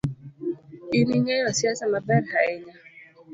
In ingeyo siasa maber hainya.